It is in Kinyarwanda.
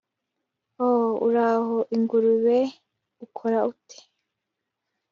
oh, uraho, ingurube, ukora ute